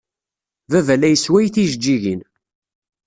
Baba la yessway tijeǧǧiǧin.